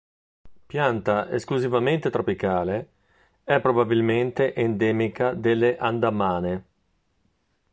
Pianta esclusivamente tropicale, è probabilmente endemica delle Andamane.